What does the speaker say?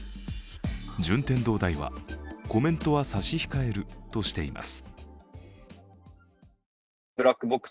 順天堂大は、コメントは差し控えるとしています。